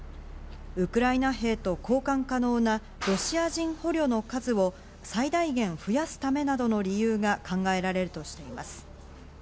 ウクライナ兵と交換可能なロシア軍捕虜の数を最大限増やすためなどの理由が考えられるとしています。